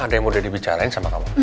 ada yang udah dibicarain sama kamu